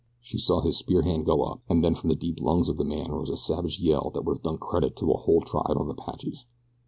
She saw his spear hand go up, and then from the deep lungs of the man rose a savage yell that would have done credit to a whole tribe of Apaches.